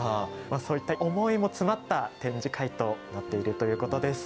そういった思いも詰まった展示会となっているということです。